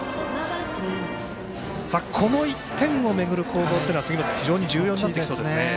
この１点を巡る攻防というのは非常に重要になってきますね。